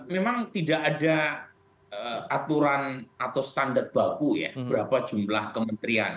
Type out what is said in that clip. memang tidak ada aturan atau standar baku ya berapa jumlah kementerian